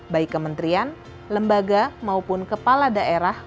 baik kementerian lembaga maupun kepala daerah